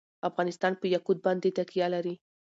افغانستان په یاقوت باندې تکیه لري.